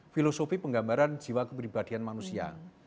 filosofi penggambaran jiwa kepribadian manusia